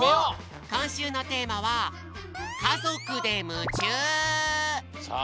こんしゅうのテーマはさあ